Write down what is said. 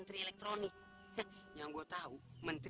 bintang jatuh min